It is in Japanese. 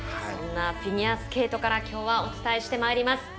そんなフィギュアスケートからきょうはお伝えして参ります。